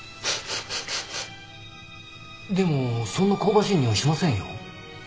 でもそんな香ばしいにおいしませんよ？